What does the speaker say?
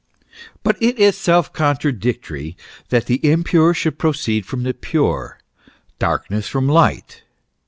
But it is self contradictory that the impure should proceed from the pure, darkness from light.